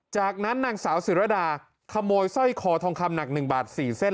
จากนั้นนางสาวศิรดาขโมยสร้อยคอทองคำหนัก๑บาท๔เส้น